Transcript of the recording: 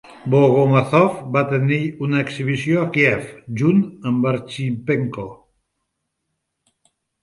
Bogomazov va tenir una exhibició a Kiev, junt amb Archipenko.